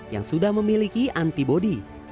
yang sudah memiliki antibody